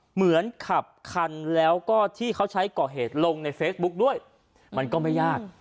เหมือนขับคันแล้วก็ที่เขาใช้ก่อเหตุลงในเฟซบุ๊กด้วยมันก็ไม่ยาก